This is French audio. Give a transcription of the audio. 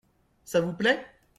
Ça vous plait ?